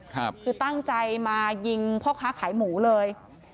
คือตั้งใจมายิงพ่อค้าขายหมูเลย